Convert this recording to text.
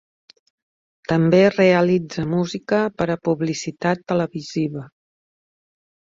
També realitza música per a publicitat televisiva.